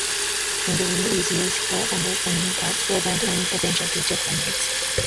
Modeling is used for understanding past, present and potential future climates.